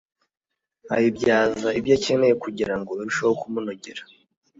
ayibyaza ibyo akeneye kugirango irusheho kumunogera